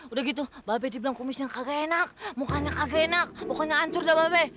udah gitu mbak be dibilang kumisnya kagak enak mukanya kagak enak pokoknya hancur dah mbak be